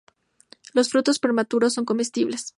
Los frutos prematuros son comestibles.